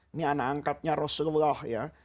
ini anak angkatnya rasulullah ya